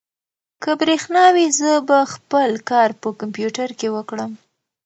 که برېښنا وي، زه به خپل کار په کمپیوټر کې وکړم.